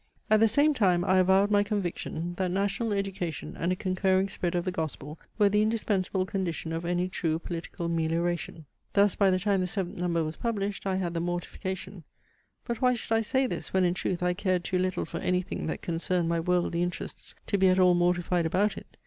At the same time I avowed my conviction, that national education and a concurring spread of the Gospel were the indispensable condition of any true political melioration. Thus by the time the seventh number was published, I had the mortification (but why should I say this, when in truth I cared too little for any thing that concerned my worldly interests to be at all mortified about it?)